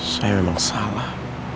sayang memang salah